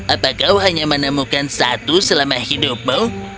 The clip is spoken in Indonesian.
apa kau hanya menemukan satu selama hidupmu